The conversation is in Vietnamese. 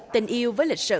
tình yêu với lịch sử